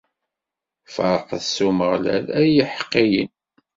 Ferḥet s Umeɣlal, ay yiḥeqqiyen!